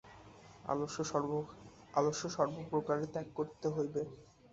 আলস্য সর্বপ্রকারে ত্যাগ করিতে হইবে।